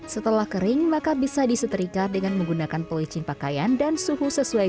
setelah kering maka bisa disetrika dengan menggunakan pelicin pakaian dan suhu sesuai